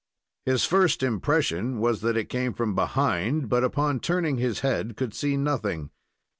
Mis first impression was that it came from behind, but, upon turning his head, could see nothing.